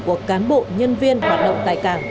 của cán bộ nhân viên hoạt động tại cảng